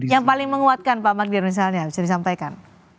yang paling menguatkan pak magdir misalnya bisa disampaikan